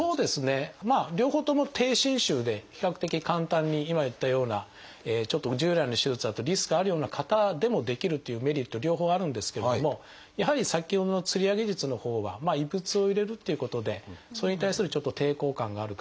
まあ両方とも低侵襲で比較的簡単に今言ったようなちょっと従来の手術だとリスクあるような方でもできるっていうメリット両方あるんですけどもやはり先ほどの吊り上げ術のほうは異物を入れるっていうことでそれに対するちょっと抵抗感がある方